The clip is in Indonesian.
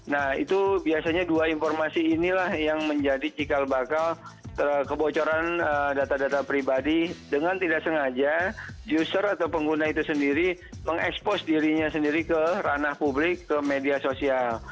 nah itu biasanya dua informasi inilah yang menjadi cikal bakal kebocoran data data pribadi dengan tidak sengaja user atau pengguna itu sendiri mengekspos dirinya sendiri ke ranah publik ke media sosial